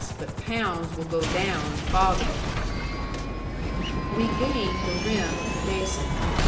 But Pounds will go down a foggin'." We gained the rim of the basin.